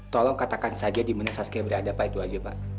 tolong katakan saja di mana saske berada pak itu aja pak